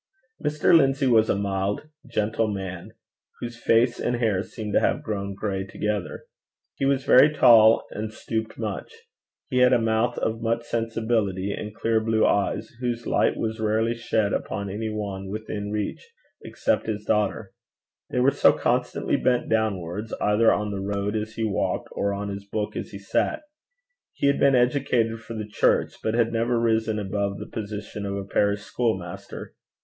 Mr. Lindsay was a mild, gentle man, whose face and hair seemed to have grown gray together. He was very tall, and stooped much. He had a mouth of much sensibility, and clear blue eyes, whose light was rarely shed upon any one within reach except his daughter they were so constantly bent downwards, either on the road as he walked, or on his book as he sat. He had been educated for the church, but had never risen above the position of a parish school master.